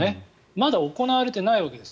まだ行われていないわけです。